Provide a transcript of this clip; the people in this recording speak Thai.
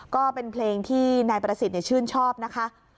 ก็เป็นเพลงที่นายประสิทธิ์ชื่นชอบนะคะ